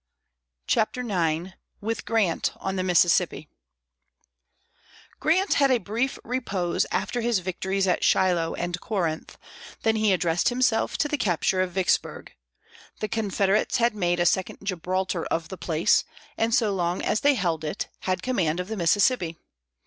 CHAPTER IX WITH GRANT ON THE MISSISSIPPI Grant had a brief repose after his victories at Shiloh and Corinth; then he addressed himself to the capture of Vicksburg. The Confederates had made a second Gibraltar of the place, and so long as they held it had command of the Mississippi.